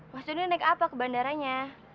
mas doni naik apa ke bandaranya